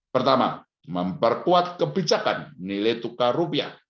pertama memperkuat kebijakan nilai tukar rupiah